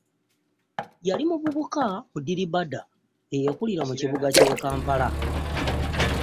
Yali muvubuka mudiribadda eyakulira mu kibuga ky'e Kampala.